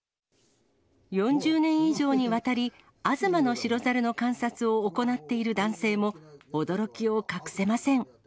４０年以上にわたり、吾妻の白猿の観察を行っている男性も、驚きを隠せません。